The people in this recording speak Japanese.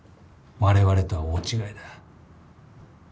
我々とは大違いだ。